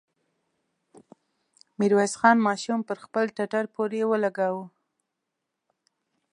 ميرويس خان ماشوم پر خپل ټټر پورې ولګاوه.